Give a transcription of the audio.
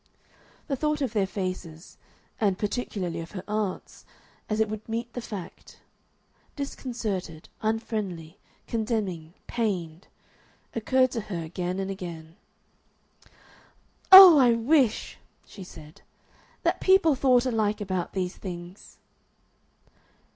The thought of their faces, and particularly of her aunt's, as it would meet the fact disconcerted, unfriendly, condemning, pained occurred to her again and again. "Oh! I wish," she said, "that people thought alike about these things."